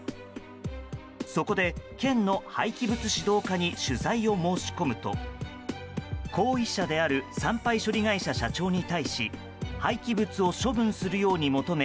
そこで、県の廃棄物指導課に取材を申し込むと行為者である産廃処理会社社長に対し廃棄物を処分するように求め